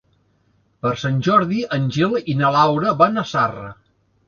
Per Sant Jordi en Gil i na Laura van a Zarra.